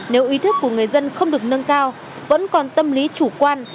nếu ý thức của người dân không được nâng cao vẫn còn tâm lý chủ quan